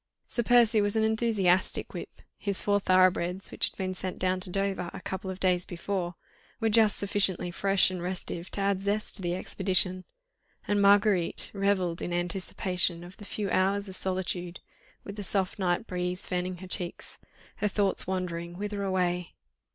... Sir Percy was an enthusiastic whip; his four thoroughbreds, which had been sent down to Dover a couple of days before, were just sufficiently fresh and restive to add zest to the expedition, and Marguerite revelled in anticipation of the few hours of solitude, with the soft night breeze fanning her cheeks, her thoughts wandering, whither away?